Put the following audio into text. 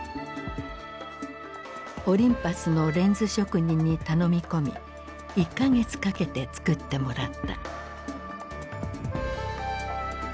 オリンパスのレンズ職人に頼み込み１か月かけてつくってもらった。